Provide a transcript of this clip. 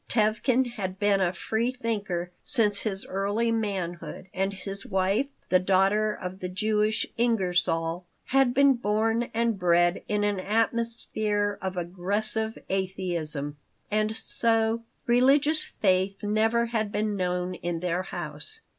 Tevkin had been a free thinker since his early manhood, and his wife, the daughter of the Jewish Ingersoll, had been born and bred in an atmosphere of aggressive atheism. And so religious faith never had been known in their house.